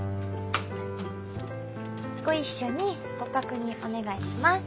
ご一緒にご確認お願いします。